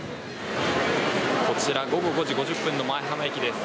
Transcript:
こちら午後５時５０分の舞浜駅です。